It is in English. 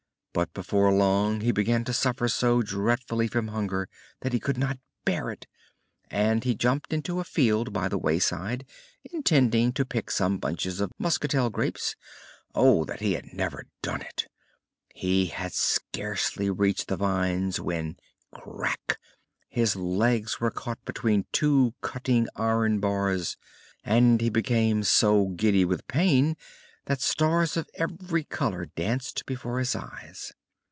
But before long he began to suffer so dreadfully from hunger that he could not bear it, and he jumped into a field by the wayside, intending to pick some bunches of Muscatel grapes. Oh, that he had never done it! He had scarcely reached the vines when crack his legs were caught between two cutting iron bars and he became so giddy with pain that stars of every color danced before his eyes.